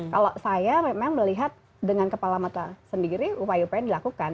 kalau saya memang melihat dengan kepala mata sendiri upaya upaya yang dilakukan